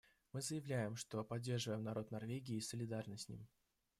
Мы заявляем, что поддерживаем народ Норвегии и солидарны с ним.